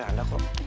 yaudah udah udah